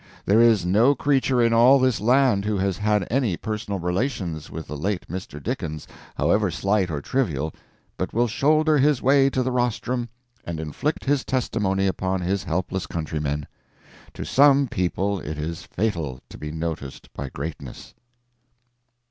There is no creature in all this land who has had any personal relations with the late Mr. Dickens, however slight or trivial, but will shoulder his way to the rostrum and inflict his testimony upon his helpless countrymen. To some people it is fatal to be noticed by greatness.